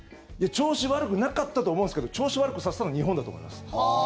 調子悪くなかったと思うんですけど調子悪くさせたのは日本だと思います。